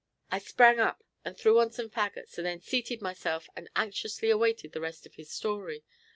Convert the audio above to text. I sprang up and threw on some fagots, and then seated myself and anxiously awaited the rest of his story.